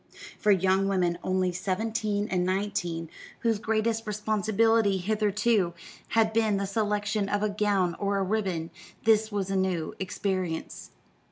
For young women only seventeen and nineteen, whose greatest responsibility hitherto had been the selection of a gown or a ribbon, this was a new experience.